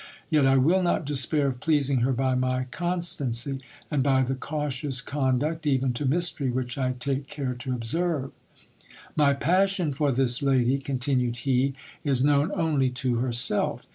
Yet ] will not despair of pleasing her by my constancy, and by the cautious con duct, even to mystery, which I take care to observe. My passion for this lady, continued he, is known only to herself.